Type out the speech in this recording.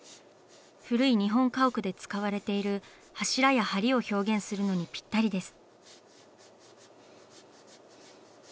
古い日本家屋で使われている柱や梁を表現するのにピッタリです。